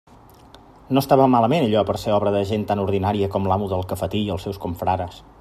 No estava malament allò per a ser obra de gent tan ordinària com l'amo del cafetí i els seus confrares.